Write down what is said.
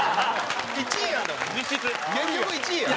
１位やん！